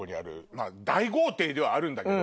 まぁ大豪邸ではあるんだけど。